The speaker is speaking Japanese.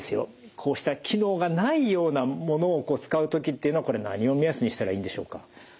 こうした機能がないようなものを使う時っていうのはこれは何を目安にしたらいいんでしょうか。